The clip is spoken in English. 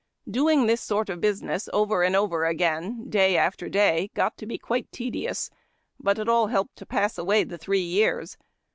Doiug this sort of business over and over again, day after day, got to be quite tedious, but it all helped to pass away the three years.